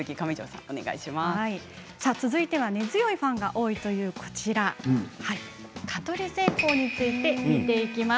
続いては根強いファンが多いという蚊取り線香について聞いていきます。